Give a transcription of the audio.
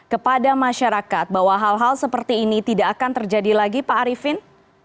kepada masyarakat bahwa hal hal seperti ini tidak akan terjadi lagi pak arifin